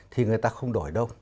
thì người ta không đổi đâu